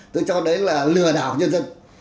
tôi cho đấy là lừa đảo nhân dân